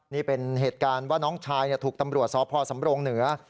นี่เป็นเหตุการณ์ว่าน้องชายถูกตำรวจสพสำรงเหนือ